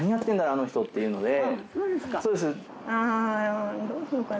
あの人」っていうので。